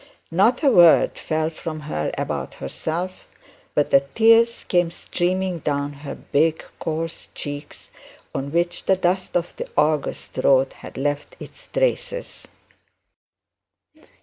Not a word fell from her about herself; but the tears came running down her big coarse cheeks, on which the dust of the August road had left its traces.